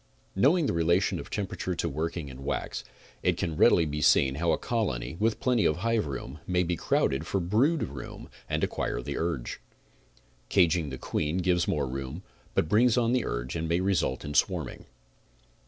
Knowing the relation of temperature to working in wax, it can readily be seen how a colony, with plenty of hive room may be crowded for brood room and acquire the urge. Caging the queen gives more room, but brings on the urge and may result in swarming.